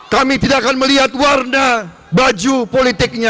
kami tidak akan melihat warna baju politiknya